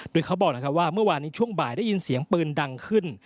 โดยเขาบอกว่าเมื่อวานนี้ช่วงบ่ายได้ยินเสียงปืนดังขึ้น